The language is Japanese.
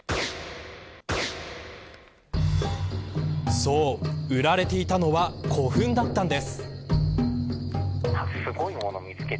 そう、売られていたのは古墳だったのです。